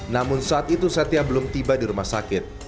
namun saat itu setia belum tiba di rumah sakit